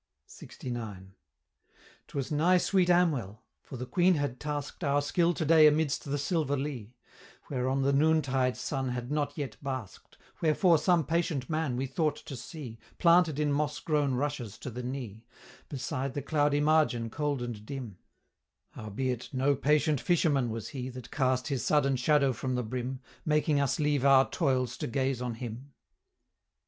LXIX. "'Twas nigh sweet Amwell; for the Queen had task'd Our skill to day amidst the silver Lea, Whereon the noontide sun had not yet bask'd, Wherefore some patient man we thought to see, Planted in moss grown rushes to the knee, Beside the cloudy margin cold and dim; Howbeit no patient fisherman was he That cast his sudden shadow from the brim, Making us leave our toils to gaze on him."